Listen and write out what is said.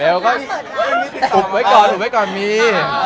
เร็วก็ถูกหัวให้ก่อนมี